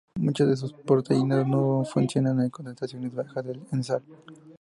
Muchas de sus proteínas no funcionan en concentraciones bajas en sal.